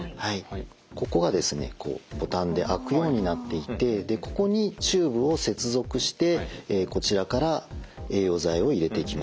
ここがですねボタンで開くようになっていてここにチューブを接続してこちらから栄養剤を入れていきます。